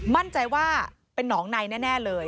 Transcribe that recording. มั่นใจว่าเป็นหนองในแน่เลย